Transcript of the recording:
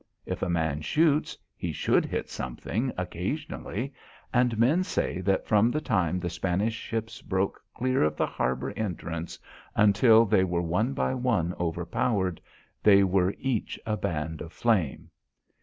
If a man shoots, he should hit something occasionally, and men say that from the time the Spanish ships broke clear of the harbour entrance until they were one by one overpowered, they were each a band of flame.